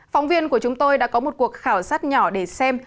phóng viên của chúng tôi đã có một cuộc khảo sát nhỏ để xem